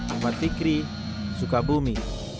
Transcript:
ahmad fikri sukabumi